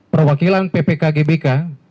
perwakilan ppk gbk